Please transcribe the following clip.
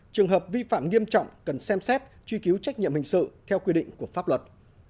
trường hợp vi phạm nghiêm trọng cần xem xét truy cứu trách nhiệm hình sự theo quy định của pháp luật